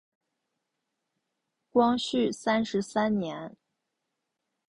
光绪三十三年。